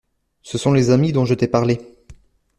Ce sont les amis dont je t’ai parlé!